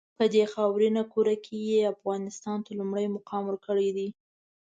په دې خاورینه کُره کې یې افغانستان ته لومړی مقام ورکړی دی.